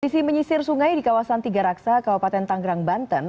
sisi menyisir sungai di kawasan tiga raksa kabupaten tanggerang banten